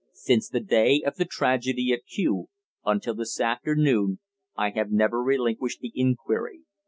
"Since the day of the tragedy at Kew until this afternoon I have never relinquished the inquiry.